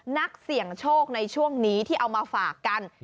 นักเสี่ยงโชคในช่วงนี้ที่เอามาฝากกัน